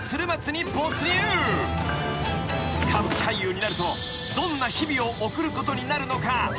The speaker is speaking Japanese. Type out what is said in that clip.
［歌舞伎俳優になるとどんな日々を送ることになるのか］